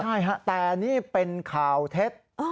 ใช่ฮะแต่นี่เป็นข่าวเท็จ